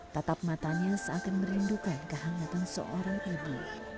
tatap matanya seakan merindukan kehangatan seorang ibu